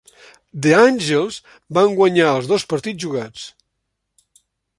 The Angels van guanyar els dos partits jugats.